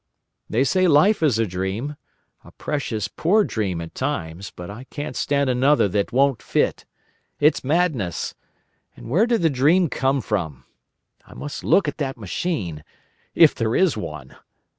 They say life is a dream, a precious poor dream at times—but I can't stand another that won't fit. It's madness. And where did the dream come from? … I must look at that machine. If there is one!"